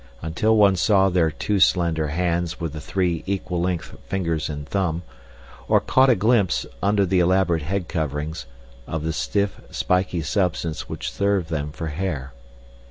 Until one saw their too slender hands with the three equal length fingers and thumb, or caught a glimpse, under the elaborate head coverings, of the stiff, spiky substance which served them for hair.